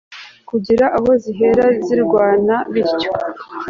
kugira aho zihera zirwana bityo